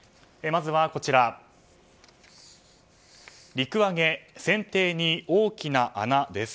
まずは陸揚げ、船底に大きな穴です。